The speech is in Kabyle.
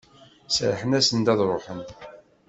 Serrḥen-asen-d ad d-ruḥen.